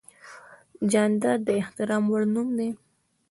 جانداد د احترام وړ نوم دی.